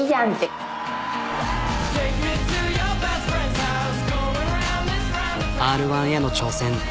まあＲ−１への挑戦